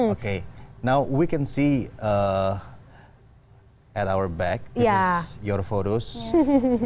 oke sekarang kita bisa lihat di belakang kita ini adalah foto anda